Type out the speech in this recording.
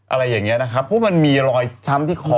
อะไรอย่างนี้นะครับเพราะมันมีรอยช้ำที่คอ